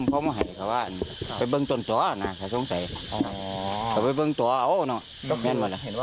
อ๋อเป็นพื้นที่โล่งอยู่แล้ว